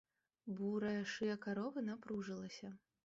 Бурая шыя каровы напружылася.